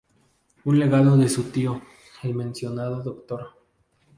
Un legado de su tío, el mencionado Dr.